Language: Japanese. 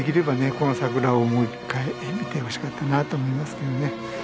この桜をもう一回見てほしかったなと思いますけどね。